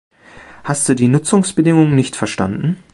Hast du die Nutzungsbedingungen nicht verstanden?